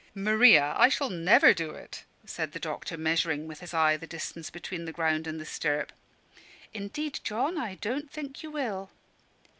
"Maria, I shall never do it," said the doctor, measuring with his eye the distance between the ground and the stirrup. "Indeed, John, I don't think you will."